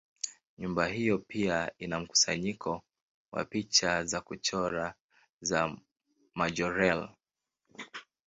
Nyumba hiyo pia ina mkusanyiko wa picha za kuchora za Majorelle.